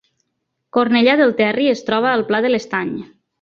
Cornellà del Terri es troba al Pla de l’Estany